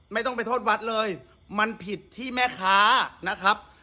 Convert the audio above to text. ไม่ต้องไปโทษวัดเลยมันผิดที่แม่ค้านะครับ